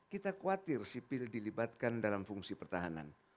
kita khawatir sipil dilibatkan dalam fungsi pertahanan